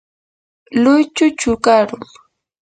luychu chukarum.